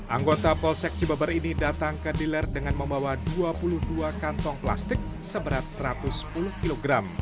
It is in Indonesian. anggota polsek cibaber ini datang ke dealer dengan membawa dua puluh dua kantong plastik seberat satu ratus sepuluh kg